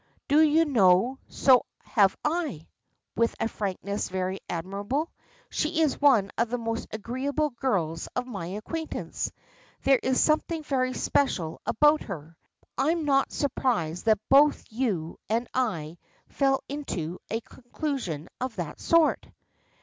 Do you know, so have I," with a frankness very admirable. "She is one of the most agreeable girls of my acquaintance. There is something very special about her. I'm not surprised that both you and I fell into a conclusion of that sort."